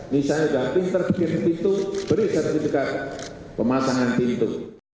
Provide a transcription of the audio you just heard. misalnya gamping terpikir pintu beri sertifikat pemasangan pintu